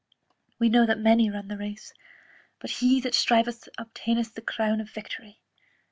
We know that many run the race; but he that striveth obtaineth the crown of victory.